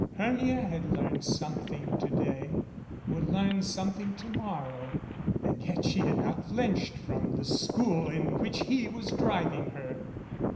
Hermia had learned something to day would learn something more to morrow, and yet she had not flinched from the school in which he was driving her.